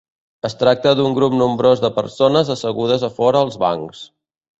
Es tracta d'un grup nombrós de persones assegudes a fora als bancs.